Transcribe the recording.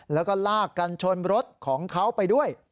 แล้วก็ลากกันชนรถของเขาไปด้วย